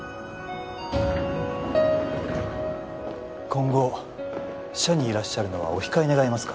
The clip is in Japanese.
今後社にいらっしゃるのはお控え願えますか？